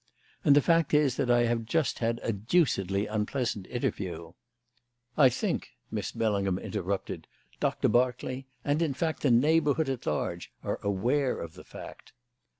And the fact is that I have just had a deucedly unpleasant interview " "I think," Miss Bellingham interrupted, "Doctor Berkeley and, in fact, the neighbourhood at large, are aware of the fact."